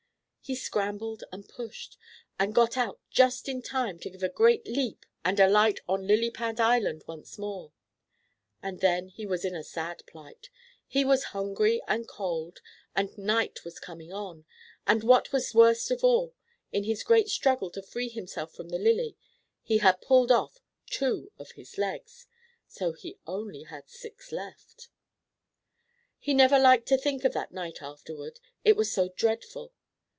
He scrambled and pushed, and got out just in time to give a great leap and alight on Lily Pad Island once more. And then he was in a sad plight. He was hungry and cold, and night was coming on, and, what was worst of all, in his great struggle to free himself from the lily he had pulled off two of his legs, so he had only six left. He never liked to think of that night afterward, it was so dreadful.